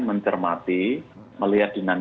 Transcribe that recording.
mencermati melihat dengan